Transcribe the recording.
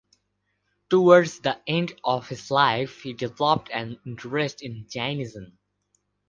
Towards the end of his life he developed an interest in Jainism.